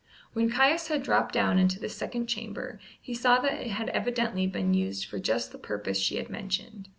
When Caius had dropped down into this second chamber, he saw that it had evidently been used for just the purpose she had mentioned.